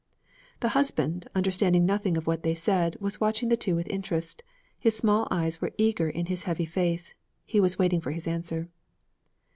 The husband, understanding nothing of what they said, was watching the two with interest; his small eyes were eager in his heavy face; he was waiting for his answer.